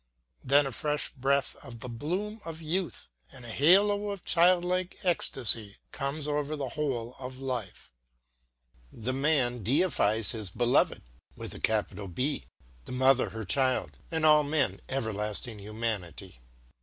Then a fresh breath of the bloom of youth and a halo of child like ecstasy comes over the whole of life. The man deifies his Beloved, the mother her child, and all men everlasting humanity.